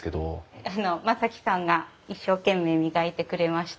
あの真己さんが一生懸命磨いてくれました。